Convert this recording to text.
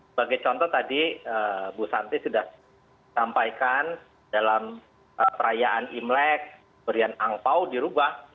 sebagai contoh tadi bu santi sudah sampaikan dalam perayaan imlek berian angpao dirubah